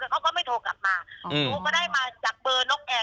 เขาก็ไม่โทรกลับมาหนูก็ได้มาจากเบอร์นกแอร์